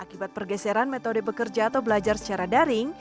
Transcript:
akibat pergeseran metode bekerja atau belajar secara daring